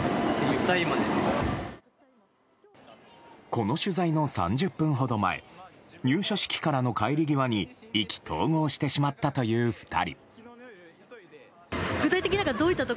この取材の３０分ほど前入社式からの帰りの際に意気投合してしまったという２人。